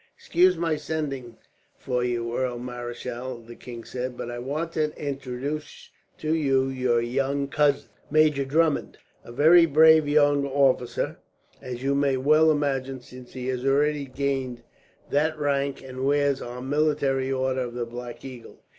"Excuse my sending for you, Earl Marischal," the king said, "but I wanted to introduce to you your young cousin, Major Drummond; a very brave young officer, as you may well imagine, since he has already gained that rank, and wears our military order of the Black Eagle.